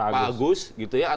pak agus gitu ya